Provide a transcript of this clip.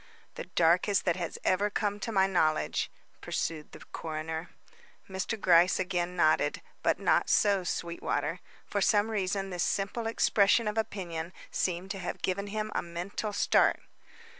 "The darkest that has ever come to my knowledge," pursued the coroner. Mr. Gryce again nodded; but not so, Sweetwater. For some reason this simple expression of opinion seemed to have given him a mental start.